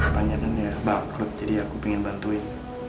panggilan ya bangkrut jadi aku pengen bantuin